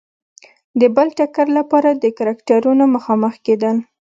د بل ټکر لپاره د کرکټرونو مخامخ کېدل.